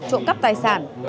trộm cắp tài sản